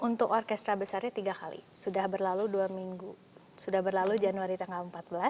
untuk orkestra besarnya tiga kali sudah berlalu dua minggu sudah berlalu januari tanggal empat belas